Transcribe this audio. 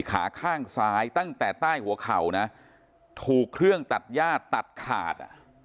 ขาข้างซ้ายตั้งแต่ใต้หัวเข่านะถูกเครื่องตัดย่าตัดขาดอ่ะ